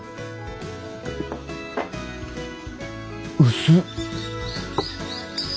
薄っ。